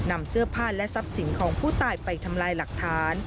นำเสื้อผ้าและทรัพย์สินของผู้ตายไปทำลายหลักฐาน